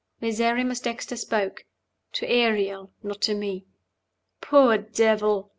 Miserrimus Dexter spoke to Ariel, not to me. "Poor devil!"